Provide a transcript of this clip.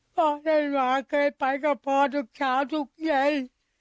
พ่อธันวาเคยไปกับพ่อทุกเช้าทุกเย็น